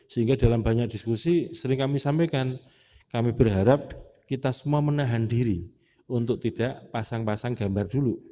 sehingga dalam banyak diskusi sering kami sampaikan kami berharap kita semua menahan diri untuk tidak pasang pasang gambar dulu